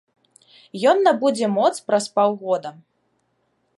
Ён набудзе моц праз паўгода.